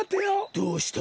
どうした！？